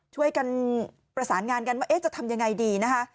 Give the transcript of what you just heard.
ช่วยกันประสานงานกันว่าจะทำยังไงดีนะคะ